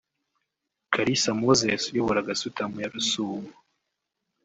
Kalisa Moses uyobora Gasutamo ya Rusumo